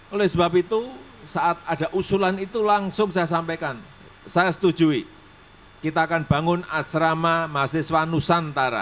oleh sebab itu saat ada usulan itu langsung saya sampaikan saya setujui kita akan bangun asrama mahasiswa nusantara